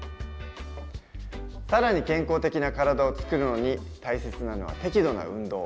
更に健康的な体をつくるのに大切なのは適度な運動。